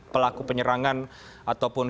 pelaku penyerangan ataupun